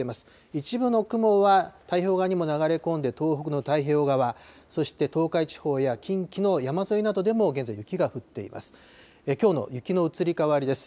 一部の雲は太平洋側にも流れ込んで東北の太平洋側、そして東海地方や近畿の山沿いなどにも現在、雪が降っています。